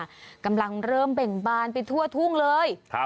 เมื่อกำลังเริ่มเปลี่ยงบ้านทั่วทุ่งเลย